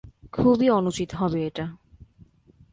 খুবই অনুচিত হবে এটা।